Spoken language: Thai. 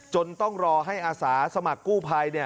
จนต้องรอให้อาสาสมัครกู้ภัย